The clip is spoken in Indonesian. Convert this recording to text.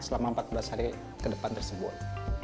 selama empat belas hari ke depan tersebut